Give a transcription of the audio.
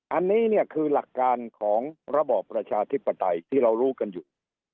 อันนี้เนี่ยคือหลักการของระบอบประชาธิปไตยที่เรารู้กันอยู่